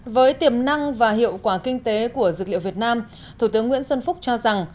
với tiềm năng và hiệu quả kinh tế của dược liệu việt nam thủ tướng nguyễn xuân phúc cho rằng